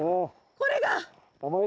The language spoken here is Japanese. これが。